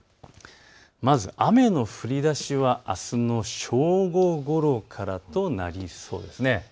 まず雨の降りだしはあすの正午ごろからとなりそうです。